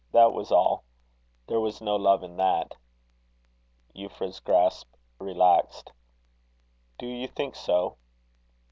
That was all. There was no love in that." Euphra's grasp relaxed. "Do you think so?"